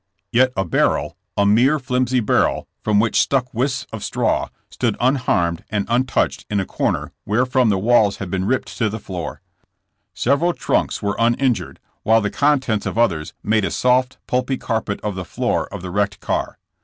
Yet a barrel— a mere flimsy barrel — from which stuck whisps of straw, stood un harmed and untouched in a corner wherefrom the walls had been ripped to the floor I Several trunks were uninjured, while the contents of others made a soft, pulpy carpet of the floor of the wrecked car.